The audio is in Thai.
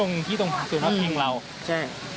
ต้นไม่ร่มล่าดในสี่อย่างนอกก็ตกใจเลย